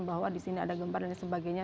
bahwa di sini ada gempa dan sebagainya